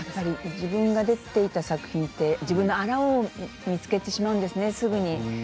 自分が出ていた作品は自分のあらを見つけてしまうんですね。